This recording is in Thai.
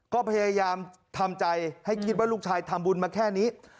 ก็พยายามทำใจให้คิดว่าลูกชายทำบุญมาแค่นี้